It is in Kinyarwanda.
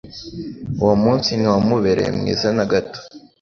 uwo munsi ntiwamubereye mwiza na gato